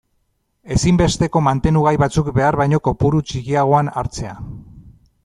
Ezinbesteko mantenugai batzuk behar baino kopuru txikiagoan hartzea.